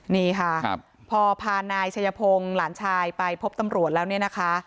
นี่ค่ะพอพานายชัยพงศ์หลานชายไปพบตำรวจแล้วเนี่ยนะคะ